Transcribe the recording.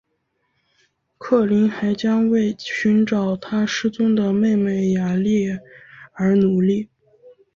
林克还将为寻找他失踪的妹妹雅丽儿而努力。